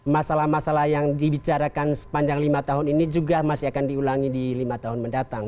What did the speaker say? masalah masalah yang dibicarakan sepanjang lima tahun ini juga masih akan diulangi di lima tahun mendatang